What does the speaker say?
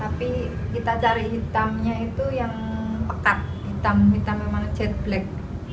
tapi kita cari hitamnya itu yang pekat hitam hitam memang jet black